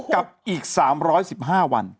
กับอีก๓๑๕วัน